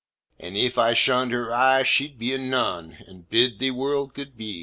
ann iff i shunnd hur eye sheed be a nunn ann bidd thee wurld good bi.